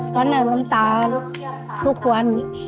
ตอนนั้นน้ำตาทุกวัน